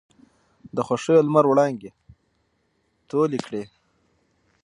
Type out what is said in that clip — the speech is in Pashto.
د خـوښـيو لمـر وړانـګې تـولې کـړې.